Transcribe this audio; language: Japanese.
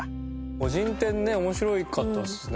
個人店ね面白かったですね。